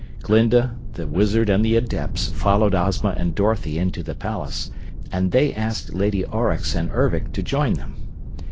Glinda, the Wizard and the Adepts followed Ozma and Dorothy into the palace, and they asked Lady Aurex and Ervic to join them.